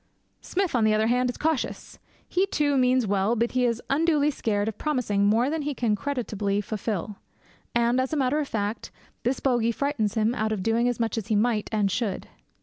Smith, on the other hand, is cautious. He, too, means well; but he is unduly scared of promising more than he can creditably fulfil; and, as a matter of fact, this bogy frightens him out of doing as much as he might and should.